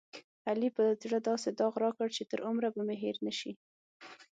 علي په زړه داسې داغ راکړ، چې تر عمره به مې هېر نشي.